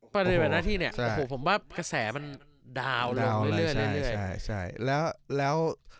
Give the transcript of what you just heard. พาตรีไปรายนาที่เนี่ยผมว่ากระแสนดาวน์ลงเรื่อย